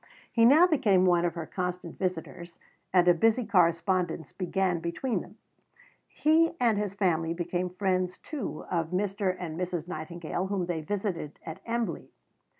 He now became one of her constant visitors, and a busy correspondence began between them. He and his family became friends too of Mr. and Mrs. Nightingale, whom they visited at Embley.